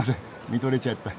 見とれちゃった。